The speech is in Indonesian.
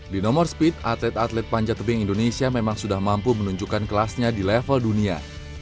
di nomor speed atlet atlet panjat tebing indonesia memang sudah mampu menunjukkan kelasnya di level dunia